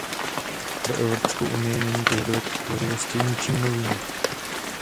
Pro Evropskou unii není požadavek tvořivosti ničím novým.